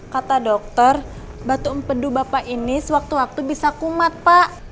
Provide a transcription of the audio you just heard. kata dokter batu empedu bapak ini sewaktu waktu bisa kumat pak